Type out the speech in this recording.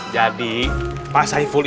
jadi pak saiful itu